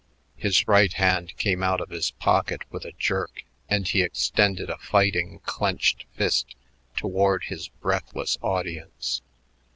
His right hand came out of his pocket with a jerk, and he extended a fighting, clenched fist toward his breathless audience.